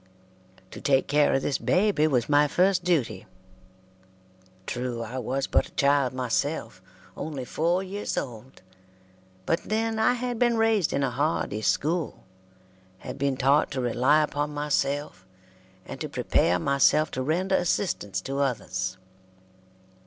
To take care of this baby was my first duty. True, I was but a child myself only four years old but then I had been raised in a hardy school had been taught to rely upon myself, and to prepare myself to render assistance to others.